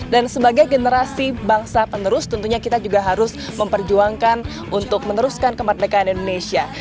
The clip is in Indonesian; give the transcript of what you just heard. dan sebagai generasi bangsa penerus tentunya kita juga harus memperjuangkan untuk meneruskan kemerdekaan indonesia